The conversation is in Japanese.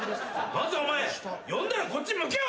まずお前呼んだらこっち向けよ！